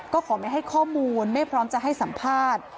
ก็ขอไม่ให้ข้อมูลไม่พร้อมจะให้สัมภาษณ์